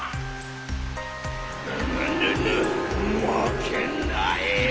ぐぬぬぬまけないよ！